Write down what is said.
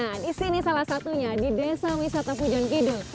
nah di sini salah satunya di desa wisata pujon kidul